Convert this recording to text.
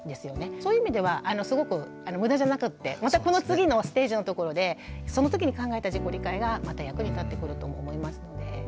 そういう意味ではすごく無駄じゃなくてまたこの次のステージのところでその時に考えた自己理解がまた役に立ってくるとも思いますので。